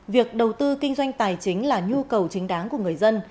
việc đầu tư kinh doanh tài chính là nhu cầu chính đáng của người dân